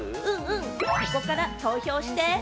ここから投票して。